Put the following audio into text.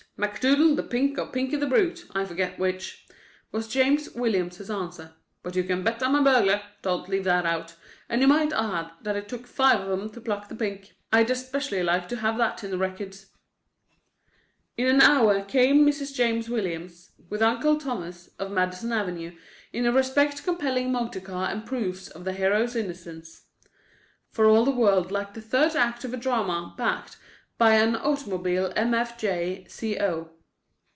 "McDoodle, the Pink, or Pinky the Brute, I forget which," was James Williams's answer. "But you can bet I'm a burglar; don't leave that out. And you might add that it took five of 'em to pluck the Pink. I'd especially like to have that in the records." In an hour came Mrs. James Williams, with Uncle Thomas, of Madison Avenue, in a respect compelling motor car and proofs of the hero's innocence—for all the world like the third act of a drama backed by an automobile mfg. co.